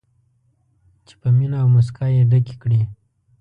چې په مینه او موسکا یې ډکې کړي.